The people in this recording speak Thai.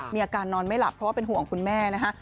นอนไม่หลับเพราะว่าเป็นห่วงคุณแม่นะคะ